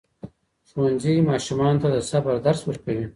ښوونځي ماشومانو ته د صبر درس ورکوي.